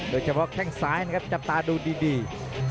โดยเฉพาะแข้งซ้ายนะครับจับตาดูดี